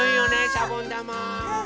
しゃぼんだま。